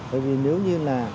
bởi vì nếu như là